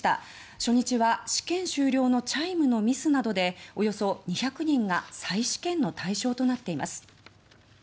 初日は試験終了のチャイムのミスなどでおよそ２００人が再試験の対象となっています。